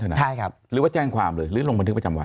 ใช่ครับหรือว่าแจ้งความเลยหรือลงบันทึกประจำวัน